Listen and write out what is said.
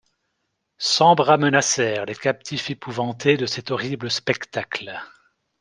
Cent bras menacèrent les captifs épouvantés de cet horrible spectacle.